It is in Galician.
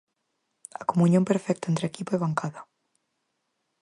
A comuñón perfecta entre equipo e bancada.